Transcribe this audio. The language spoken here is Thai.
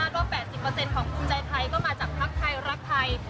คุณอนุทิให้สัมภาษณ์ว่า๘๐ของคุณใจไทยก็มาจากภาคไทยรักไทย